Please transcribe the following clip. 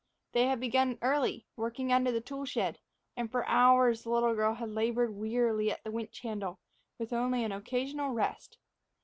They had begun early, working under the tool shed, and for hours the little girl had labored wearily at the winch handle, with only an occasional rest.